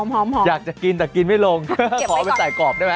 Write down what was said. อยากจะกินแต่กินไม่ลงขอเอาไปใส่กรอบได้ไหม